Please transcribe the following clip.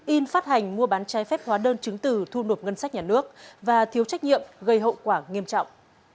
in phát hành mua bán trái phép hóa đơn chứng từ thu nộp ngân sách nhà nước và thiếu trách nhiệm gây hậu quả nghiêm trọng